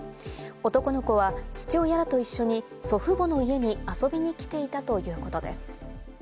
男の子は父親と一緒に祖父母の家に遊びに来ていたということです。